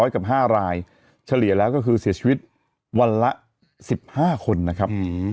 กับ๕รายเฉลี่ยแล้วก็คือเสียชีวิตวันละ๑๕คนนะครับ